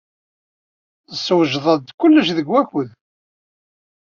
Tessewjed-d kullec deg wakud.